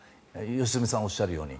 良純さんがおっしゃるように。